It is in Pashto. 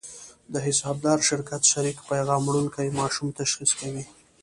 د حسابدار شرکت شریک پیغام وړونکي ماشوم تشخیص کوي.